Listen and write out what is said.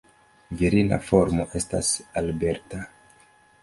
Virina formo estas "Alberta".